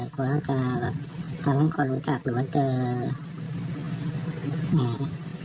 กลัวว่าจะแบบตามให้คนรู้จักหรือว่าเจอเนี่ย